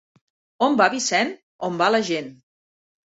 On va Vicent? On va la gent.